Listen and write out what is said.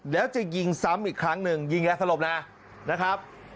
แล้วจะยิงซ้ำอีกครั้งหนึ่งยิงยาสลบนะนะครับ